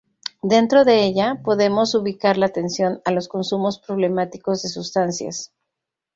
Dentro de ella, podemos ubicar la atención a los consumos problemáticos de sustancias.